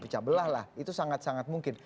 pecah belah lah itu sangat sangat mungkin